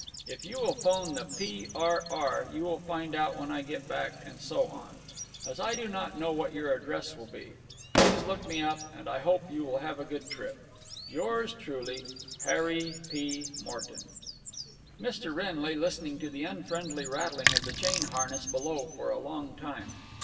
If you will phone the P. R. R. you can find out when I get back & so on. As I do not know what your address will be. Please look me up & I hope you will have a good trip. Yours truly, HARRY P. MORTON. Mr. Wrenn lay listening to the unfriendly rattling of the chain harness below for a long time.